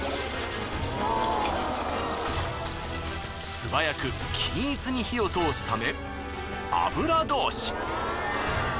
素早く均一に火を通すため油通し。